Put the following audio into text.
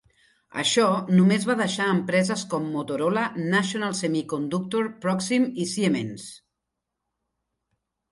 Això només va deixar empreses com Motorola, National Semiconductor, Proxim i Siemens.